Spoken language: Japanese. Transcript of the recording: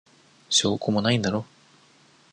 証拠もないんだろ。